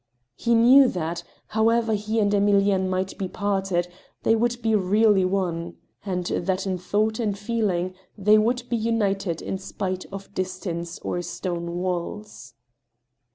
He knew that, however he and Emilienne might be parted, they would be really one, and that in thought and feeling they would be united in' spite of distance or stone walls.